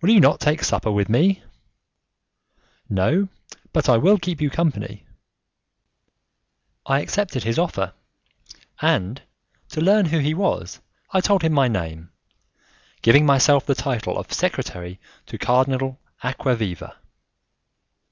"Will you not take supper with me?" "No, but I will keep you company." I accepted his offer, and to learn who he was, I told him my name, giving myself the title of secretary to Cardinal Acquaviva.